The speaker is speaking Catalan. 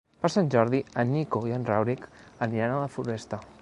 Per Sant Jordi en Nico i en Rauric aniran a la Floresta.